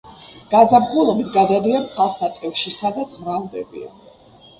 გაზაფხულობით გადადიან წყალსატევში, სადაც მრავლდებიან.